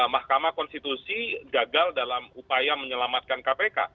mahkamah konstitusi gagal dalam upaya menyelamatkan kpk